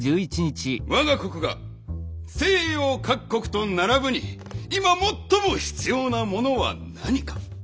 我が国が西洋各国と並ぶに今最も必要なものは何か。